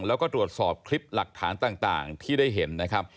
แล้วก็ตรวจสอบคลิปหลักฐานต่างที่ได้เห็นนะครับ